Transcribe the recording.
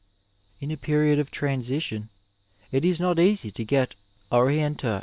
In a period of Izansition it is not easy to get orientirt.